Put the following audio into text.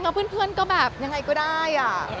แล้วเพื่อนก็แบบยังไงก็ได้